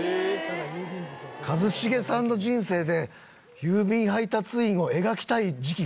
一茂さんの人生で郵便配達員を描きたい時期があったとはな。